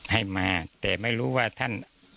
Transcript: ให้มาแต่ไม่รู้ว่าท่าน